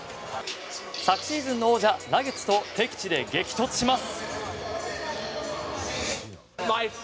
昨シーズンの王者のナゲッツと敵地で激突します。